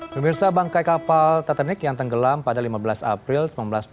pemirsa bangkai kapal tatanic yang tenggelam pada lima belas april seribu sembilan ratus empat puluh